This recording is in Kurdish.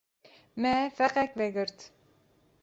Me feqek vegirt.